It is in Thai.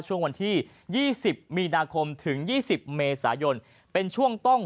ช่วงวันที่๒๐มีนาคมถึง๒๐เมษายนเป็นช่วงต้อง